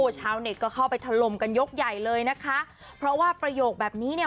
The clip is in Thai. ชาวเน็ตก็เข้าไปถล่มกันยกใหญ่เลยนะคะเพราะว่าประโยคแบบนี้เนี่ย